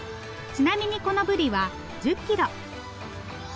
ちなみにこのブリは１０キロ。